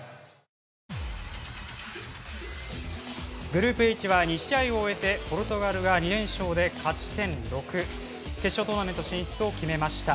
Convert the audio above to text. グループＨは２試合を終えてポルトガルが２連勝で勝ち点６決勝トーナメント進出を決めました。